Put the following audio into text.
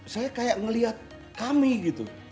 saya kayak ngelihat kami gitu